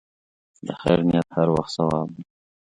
د خیر نیت هر وخت ثواب لري.